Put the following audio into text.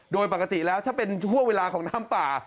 โดยปกติแล้วถ้าเป็นห่วงเวลาของน้ำป่า